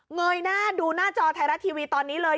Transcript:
เงยหน้าดูหน้าจอไทยรัฐทีวีตอนนี้เลย